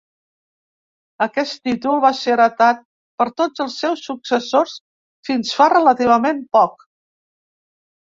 Aquest títol va ser heretat per tots els seus successors fins fa relativament poc.